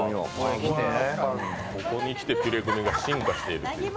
ここにきてピュレグミが進化しているという。